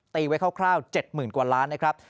ตีไว้คร่าว๗๐๐๐กว่าล้านนะครับ